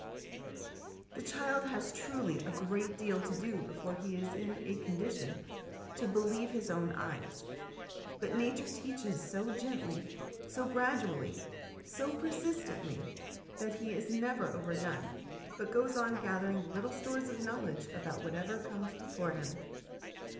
The child has truly a great deal to do before he is in a condition to ' believe his own eyes'; but Nature teaches so gently, so gradually, so persistently, that he is never overdone, but goes on gathering little stores of knowledge about whatever comes before him.